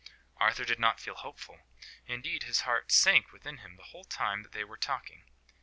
Arthur did not feel hopeful; indeed his heart sank within him the whole time that they were talking.